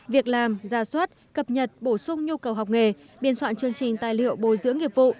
việc làm gia soát cập nhật bổ sung nhu cầu học nghề biên soạn chương trình tài liệu bồi dưỡng nghiệp vụ